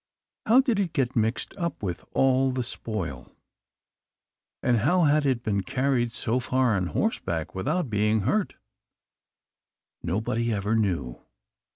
How did it get mixed up with all the spoil? and how had it been carried so far on horseback without being hurt? Nobody ever knew.